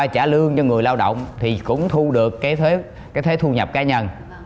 trả lương cho người lao động thì cũng thu được cái thuế thu nhập cá nhân